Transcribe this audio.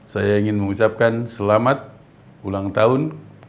saya ingin mengucapkan selamat ulang tahun